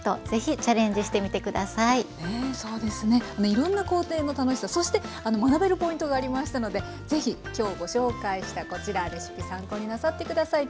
いろんな工程の楽しさそして学べるポイントがありましたので是非今日ご紹介したこちらレシピ参考になさって下さい。